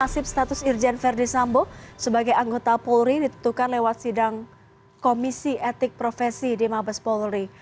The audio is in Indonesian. nasib status irjen verdi sambo sebagai anggota polri ditentukan lewat sidang komisi etik profesi di mabes polri